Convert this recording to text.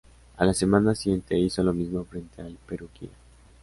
A la semana siguiente, hizo lo mismo frente al Perugia.